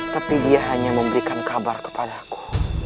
tapi dia hanya memberikan kabar kepadaku